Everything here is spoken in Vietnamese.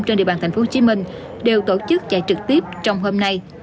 trên địa bàn tp hcm đều tổ chức chạy trực tiếp trong hôm nay